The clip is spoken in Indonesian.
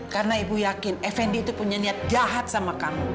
karena ibu yakin effendi itu punya niat jahat sama kamu